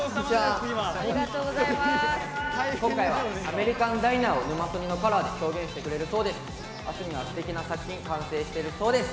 今回はアメリカンダイナーを「ヌマソニ」のカラーで表現してくれるそうです。